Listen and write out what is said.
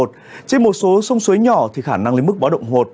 trên một số sông suối nhỏ thì khả năng lên mức báo động một